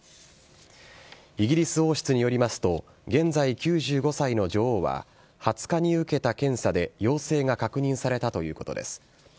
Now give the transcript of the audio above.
イギリス王室によりますと、現在９５歳の女王は２０日に受けた検査で陽性が確認されたということです。